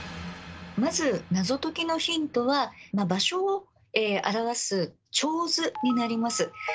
まず謎解きのヒントは場所を表す手水になります。